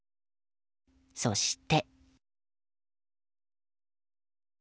そして。